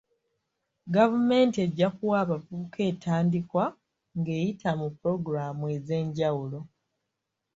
Gavumenti ejja kuwa abavubuka entandikwa nga eyita mu pulogulaamu ez'enjawulo.